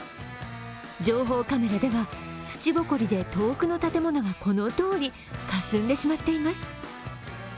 情報カメラでは、土ぼこりで遠くの建物がこのとおり、かすんでしまっています。